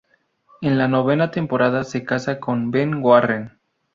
En la novena temporada se casa con Ben Warren.